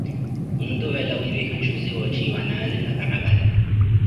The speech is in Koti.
Ontuvela wipikha nxuzi wootthiwa naazi na karakata.